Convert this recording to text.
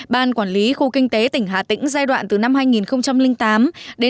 ban quản lý khu kinh tế tỉnh hà tĩnh giai đoạn từ năm hai nghìn tám hai nghìn một mươi